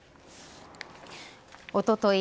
おととい